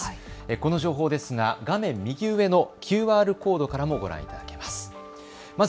この情報ですが画面右上のＱＲコードからもご覧いただけます。